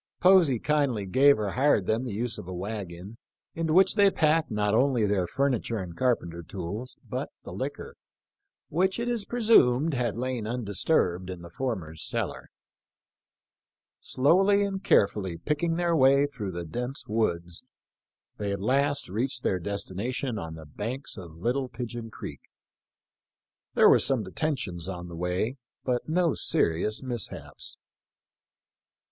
Posey kindly gave or hired them the use of a wagon, into which they packed not only their furniture and carpenter tools, but the liquor, which it is presumed had lain undisturbed in the former's cellar. Slowly and carefully picking their way through the dense woods, they at last reached their destination on the banks of Little Pigeon creek. There were some detentions on the way, but no serious mishaps.